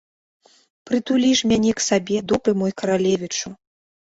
Прытулі ж мяне к сабе, добры мой каралевічу!